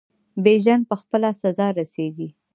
بیژن په خپله سزا رسیږي.